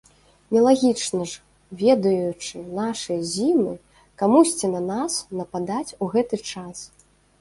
Нелагічна ж, ведаючы нашыя зімы, камусьці на нас нападаць у гэты час!